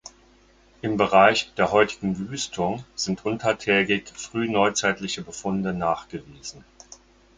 Im Bereich der heutigen Wüstung sind untertägig frühneuzeitliche Befunde nachgewiesen.